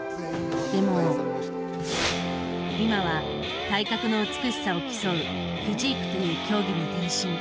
でも今は体格の美しさを競うフィジークという競技に転身。